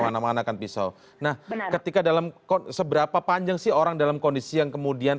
mana manakan pisau nah ketika dalam seberapa panjang sih orang dalam kondisi yang kemudian